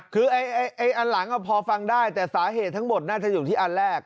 คือไอ้อันหลังพอฟังได้แต่สาเหตุทั้งหมดน่าจะอยู่ที่อันแรก